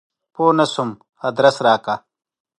پوه نه شوم ادرس راکړه !